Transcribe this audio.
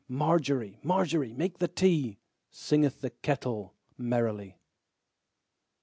Margery, Margery, make the tea, Singeth the kettle merrily.